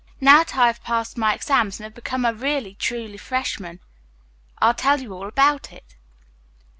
Now that I have passed my exams and have become a really truly freshman, I'll tell you all about it."